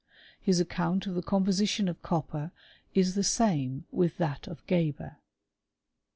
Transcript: His account of the composition of copper is the same with that of Geber.